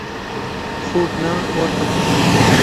خوب نه ورته.